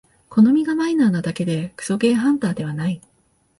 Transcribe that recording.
好みがマイナーなだけでクソゲーハンターではない